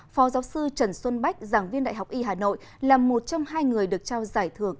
phó giáo sư trần xuân bách giảng viên đại học y hà nội là một trong hai người được trao giải thưởng